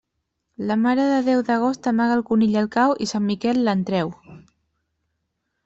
La Mare de Déu d'agost amaga el conill al cau i Sant Miquel l'en treu.